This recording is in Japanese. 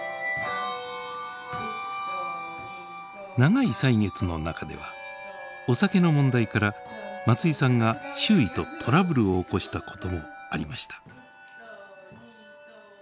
長い歳月の中ではお酒の問題から松井さんが周囲とトラブルを起こしたこともありました。